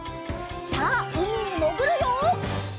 さあうみにもぐるよ！